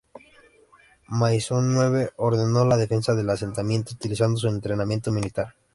Maisonneuve ordenó la defensa del asentamiento, utilizando su entrenamiento militar.